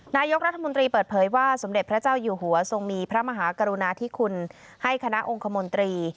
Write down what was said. นายกรัฐมนตรีเปิดเผยว่าสมเด็จพระเจ้าอยู่หัวทรงมีพระมหากรุณาธิคุณให้คณะองคมนตรี